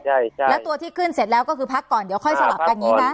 ใช่ครับแล้วตัวที่ขึ้นเสร็จแล้วก็คือพักก่อนเดี๋ยวค่อยสลับกันอย่างนี้นะ